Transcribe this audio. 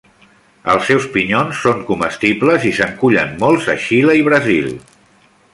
Els seus pinyons són comestibles i se'n cullen molts a Xile i Brasil.